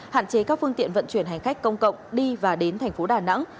hạn chế các phương tiện vận chuyển hành khách công cộng đi và đến thành phố đà nẵng